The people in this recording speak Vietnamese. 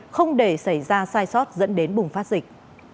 không để xảy ra sai sót dẫn đến bùng phát dịch